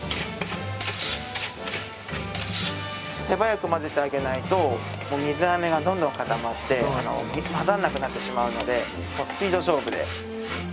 手早く混ぜてあげないと水あめがどんどん固まって混ざらなくなってしまうのでスピード勝負で。